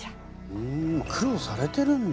ふん苦労されてるんだ